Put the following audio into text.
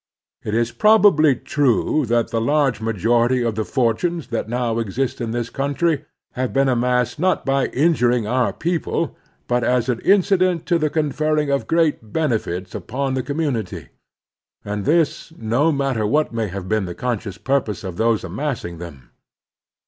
It is probably true that the large majority of the forttmes that now exist in this country have been amassed not by injuring our people, but as an incident to the conferring of great benefits upon the conMntmity; and this, no matter what may have been the con scious purpose of those amassing them.